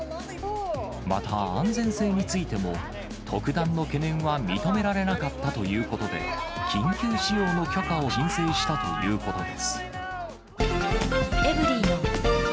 また、安全性についても、特段の懸念は認められなかったということで、緊急使用の許可を申請したということです。